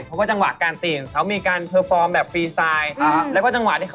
ก็ผมได้จากวงโยมาเรื่องการหายใจ